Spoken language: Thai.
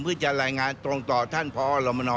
เพื่อจะรายงานตรงต่อท่านพอรมน